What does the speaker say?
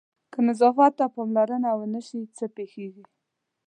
که نظافت ته پاملرنه ونه شي څه پېښېږي؟